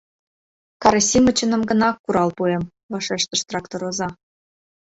Карасимычыным гына курал пуэм! — вашештыш трактор оза.